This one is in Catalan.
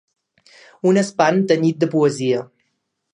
Un espant tenyit de poesia.